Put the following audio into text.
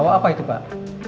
bawa apa itu pak